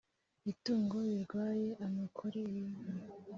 itungo rirwaye amakore y inka